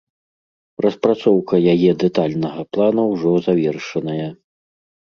Распрацоўка яе дэтальнага плана ўжо завершаная.